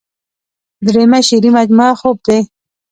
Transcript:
دريمه شعري مجموعه خوب دے ۔